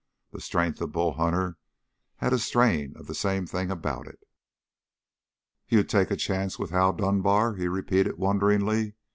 The strength of Bull Hunter had a strain of the same thing about it. "You'd take a chance with Hal Dunbar?" he repeated wonderingly.